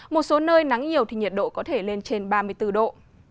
một số nơi nắng nhiều thì nhiệt độ có thể lên trên ba mươi bốn độ